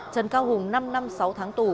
trần cao hùng năm năm sáu tháng tù